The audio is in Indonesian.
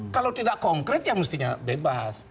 kalau tidak konkret ya mestinya bebas